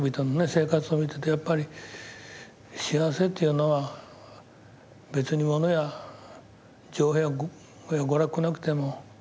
生活を見ててやっぱり幸せっていうのは別に物や情報や娯楽なくても幸せだと思うので。